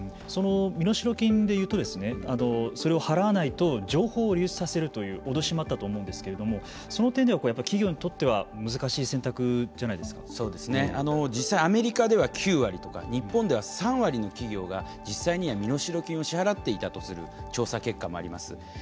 その身代金でいうとそれを払わないと情報を流出されるという脅しもあったと思うんですけどその点では、企業にとっては実際アメリカでは９割とか日本では３割の企業が実際には身代金を支払っていたとする調査結果もあります。